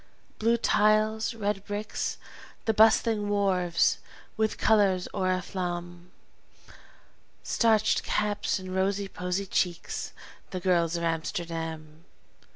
Blue tiles, red bricks, the bustling wharves, with color's oriflamme; Starched caps and rosy posy cheeks the girls of Amsterdam!